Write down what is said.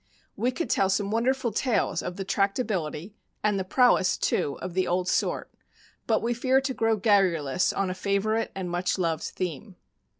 We could tell some won derful tales of the tractability, and the prowess, too, of the old sort, but we fear to grow garrulous on a favorite and much loved theme.